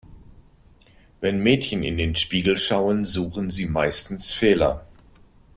Wenn Mädchen in den Spiegel schauen, suchen sie meistens Fehler.